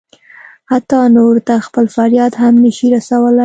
حتی نورو ته خپل فریاد هم نه شي رسولی.